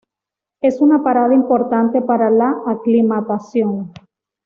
Es una parada importante para la aclimatación.